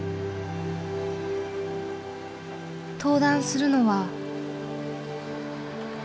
登壇するのは。